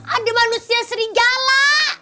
ada manusia serigala